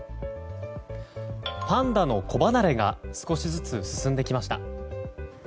パンダの子離れが少しずつ進んできました。